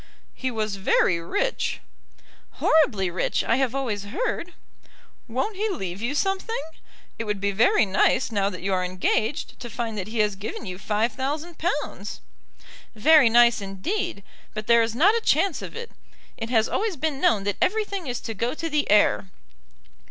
"He was very rich?" "Horribly rich, I have always heard." "Won't he leave you something? It would be very nice now that you are engaged to find that he has given you five thousand pounds." "Very nice indeed; but there is not a chance of it. It has always been known that everything is to go to the heir.